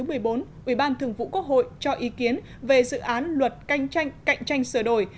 ủy ban thường vụ quốc hội cho ý kiến về dự án luật cạnh tranh sửa đổi